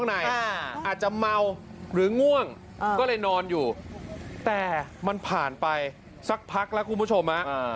อาจจะเมาหรือง่วงก็เลยนอนอยู่แต่มันผ่านไปสักพักแล้วคุณผู้ชม